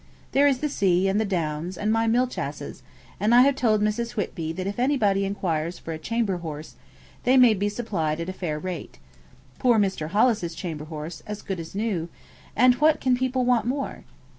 There is the sea, and the downs, and my milch asses: and I have told Mrs. Whitby that if anybody enquires for a chamber horse, they may be supplied at a fair rate (poor Mr. Hollis's chamber horse, as good as new); and what can people want more?